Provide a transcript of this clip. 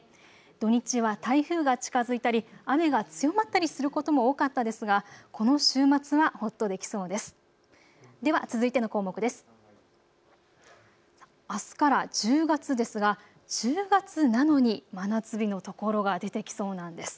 土日は台風が近づいたり雨が強まったりすることも多かったですがこの週末はほっとできそうです。